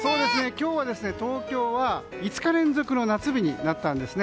今日は、東京は５日連続の夏日になったんです。